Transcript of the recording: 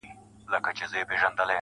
د شپې نه وروسته بيا سهار وچاته څه وركوي,